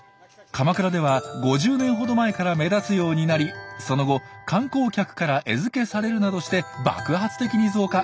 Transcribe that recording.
鎌倉では５０年ほど前から目立つようになりその後観光客から餌付けされるなどして爆発的に増加。